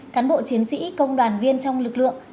cán bộ chiến sĩ công đoàn viên trong lực lượng